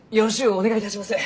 お願いいたします。